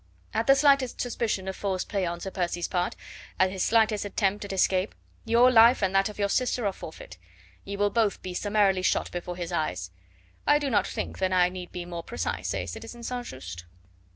At the slightest suspicion of false play on Sir Percy's part, at his slightest attempt at escape, your life and that of your sister are forfeit; you will both be summarily shot before his eyes. I do not think that I need be more precise, eh, citizen St. Just?"